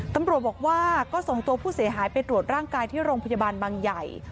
ตำรวจบอกว่าก็ส่งตัวผู้เสียหายไปตรวจร่างกายที่โรงพยาบาลบางใหญ่